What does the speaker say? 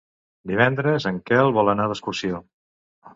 Divendres en Quel vol anar d'excursió.